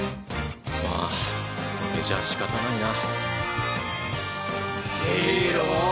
まあそれじゃしかたないな。